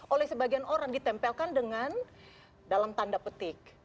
oleh sebagian orang ditempelkan dengan dalam tanda petik